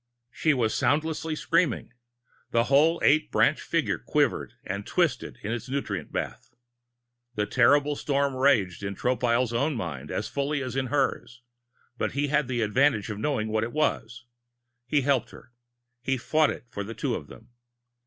She was soundlessly screaming. The whole eight branched figure quivered and twisted in its nutrient bath. The terrible storm raged in Tropile's own mind as fully as in hers but he had the advantage of knowing what it was. He helped her. He fought it for the two of them